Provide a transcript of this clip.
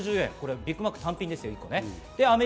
ビッグマック単品ですよ。